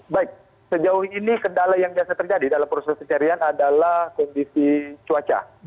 baik sejauh ini kendala yang biasa terjadi dalam proses pencarian adalah kondisi cuaca